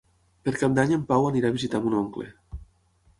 Per Cap d'Any en Pau anirà a visitar mon oncle.